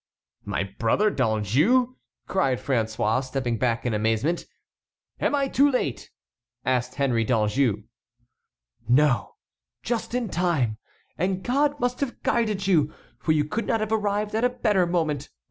"My brother D'Anjou!" cried François, stepping back in amazement. "Am I too late?" asked Henry d'Anjou. "No, just in time, and God must have guided you, for you could not have arrived at a better moment.